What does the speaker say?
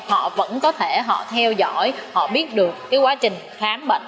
họ vẫn có thể theo dõi họ biết được quá trình khám bệnh